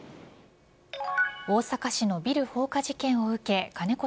大阪市のビル放火事件を受け金子